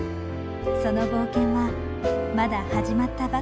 その冒険はまだ始まったばかりです。